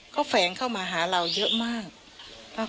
ก็แฝงเข้ามาหาเราเยอะมากเราก็มั่นใจน่ะ